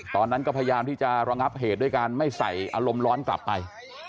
ตอนนั้นก็พยายามที่จะระงับเหตุด้วยการไม่ใส่อารมณ์ร้อนกลับไป